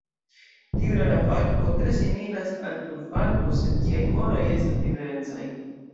Tiu rara falko tre similas al Turfalko, sed ĝiaj moroj estas diferencaj.